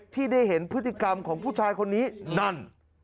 ที่ได้เห็นพฤติกรรมของผู้ชายคนนี้นั่น